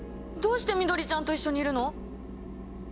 どうして緑ちゃんと一緒にいるの！？